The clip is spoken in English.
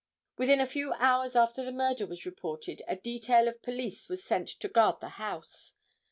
Within a few hours after the murder was reported a detail of police was sent to guard the house.